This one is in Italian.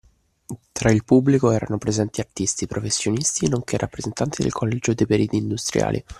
Tra il pubblico erano presenti artisti, professionisti, nonché rappresentati del Collegio dei Periti Industriali